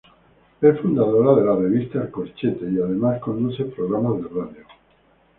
Es fundadora de la revista "El Corchete", y además conduce programas de radio.